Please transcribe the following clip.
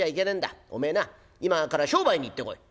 おめえな今から商売に行ってこい」。